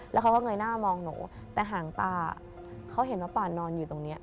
แล้วเขาก็เงยหน้ามองหนูแต่หางตาเขาเห็นว่าป่านอนอยู่ตรงนี้